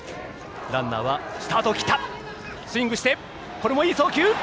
これもいい送球！